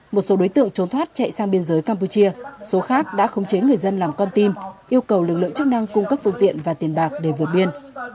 một số đối tượng trốn thoát chạy sang biên giới campuchia số khác đã khống chế người dân làm con tim yêu cầu lực lượng chức năng cung cấp phương tiện và tiền bạc để vượt biên